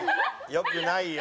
良くないよ。